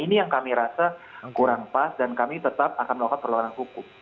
ini yang kami rasa kurang pas dan kami tetap akan melakukan perlawanan hukum